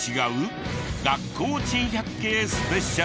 学校珍百景スペシャル。